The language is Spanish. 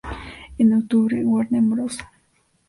En octubre, Warner Bros.